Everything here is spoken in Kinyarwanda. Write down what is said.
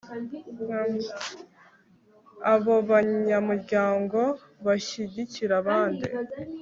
abo banyamuryango bashyigikira abandi